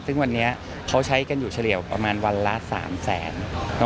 ซึ่งวันนี้เขาใช้กันอยู่เฉลี่ยวประมาณวันละ๓แสน